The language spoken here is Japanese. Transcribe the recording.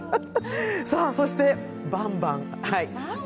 そして「バンバン！」。